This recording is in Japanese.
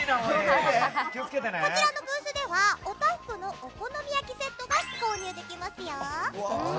こちらのブースではオタフクのお好み焼きセットが購入できますよ。